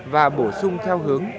và bổ sung theo hướng